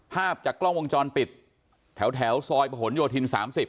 ภาพจากกล้องวงจรปิดแถวซอยประหลโยธิน๓๐